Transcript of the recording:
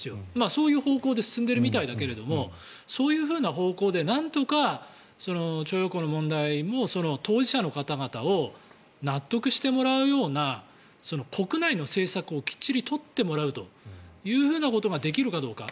そういう方向で進んでいるみたいだけどそういうような方向でなんとか徴用工の問題も当事者の方々を納得してもらうような国内の政策をきっちり取ってもらうということができるかどうか。